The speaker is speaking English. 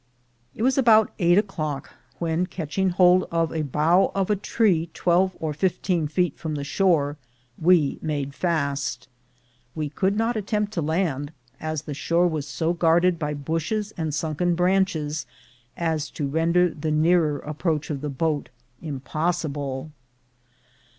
It was about eight o'clock, when, catching hold of a bough of a tree twelve or fifteen feet from the shore, we made fast. We could not attempt to land, as the shore was so guarded by bushes and sunken branches as to render the nearer approach of the boat impossible.